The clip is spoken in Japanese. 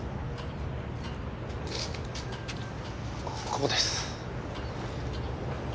ここです。